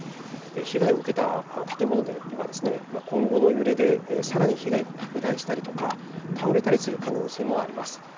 被害を受けた建物では今後の揺れでさらに被害が拡大したりとか倒れたりする可能性もあります。